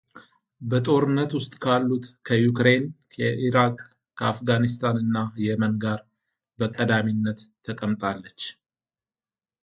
በጦርነት ውስጥ ካሉት ከዩክሬን ከኢራቅ ከአፍጋኒስታን እና የመን ጋር በቀዳሚነት ተቀምጣለች።